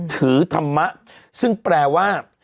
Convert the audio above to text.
ถือธรรมะซึ่งแปลว่า